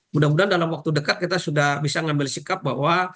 mudah mudahan dalam waktu dekat kita sudah bisa mengambil sikap bahwa